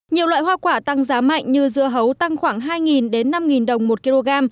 nhiều loại hoa quả tăng giá mạnh như dưa hấu tăng khoảng hai năm đồng một kg